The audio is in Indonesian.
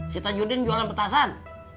si tanjur din jualan petasan